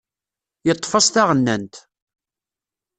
Yeṭṭef-as taɣennant.